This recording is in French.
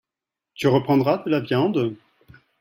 Tu reprendras de la viande ?